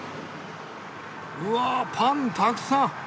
うわパンたくさん！